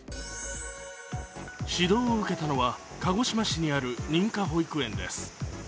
指導を受けたのは、鹿児島市にある認可保育園です。